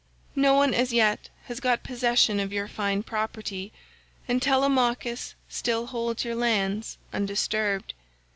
No one as yet has got possession of your fine property, and Telemachus still holds your lands undisturbed.